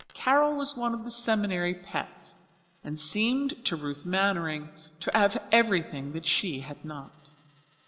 Carol was one of the seminary pets, and seemed to Ruth Mannering to have everything that she had not.